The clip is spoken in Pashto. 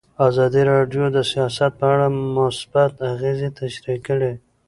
ازادي راډیو د سیاست په اړه مثبت اغېزې تشریح کړي.